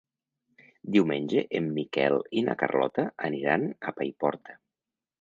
Diumenge en Miquel i na Carlota aniran a Paiporta.